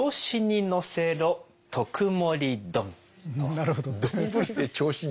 なるほど。